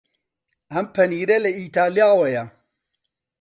ئەم پەنیرە لە ئیتاڵیاوەیە.